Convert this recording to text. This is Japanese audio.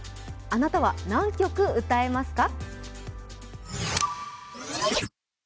あなたは何曲歌えますか？